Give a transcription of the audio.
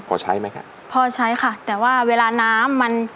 พอใช้ไหมครับพอใช้ค่ะแต่ว่าเวลาน้ำมัน